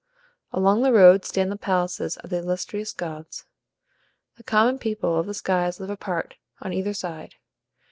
Along the road stand the palaces of the illustrious gods; the common people of the skies live apart, on either side.